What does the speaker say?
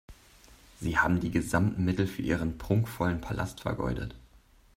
Sie haben die gesamten Mittel für Ihren prunkvollen Palast vergeudet.